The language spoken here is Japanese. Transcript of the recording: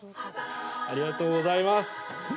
ありがとうございます。